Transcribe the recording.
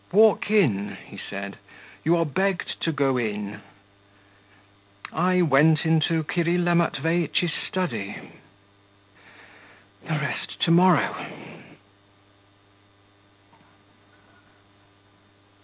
'Walk in,' he said; 'you are begged to go in.' I went into Kirilla Matveitch's study.... The rest to morrow.